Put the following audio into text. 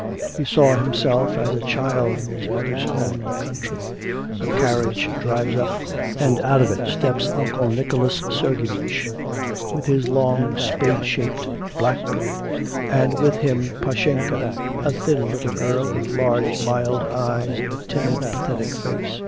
He saw himself as a child in his mother's home in the country. A carriage drives up, and out of it steps Uncle Nicholas Sergeevich, with his long, spade shaped, black beard, and with him Pashenka, a thin little girl with large mild eyes and a timid pathetic face.